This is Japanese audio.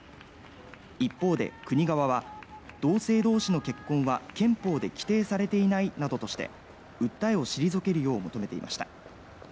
一方で、国側は同性同士の結婚は憲法で規定されていないなどとして訴えを退けるよう求めていました。